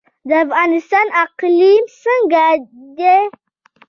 د افغانستان اقلیم څنګه دی؟